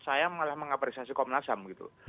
saya mengaparisasi komnas ham gitu